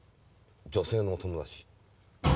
女性のお友達。